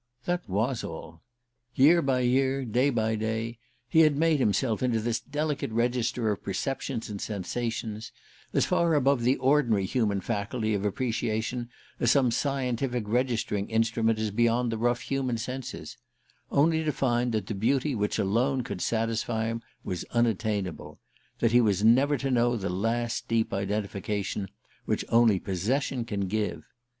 That was all. Year by year, day by day, he had made himself into this delicate register of perceptions and sensations as far above the ordinary human faculty of appreciation as some scientific registering instrument is beyond the rough human senses only to find that the beauty which alone could satisfy him was unattainable that he was never to know the last deep identification which only possession can give.